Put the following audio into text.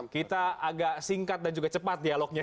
kita agak singkat dan juga cepat dialognya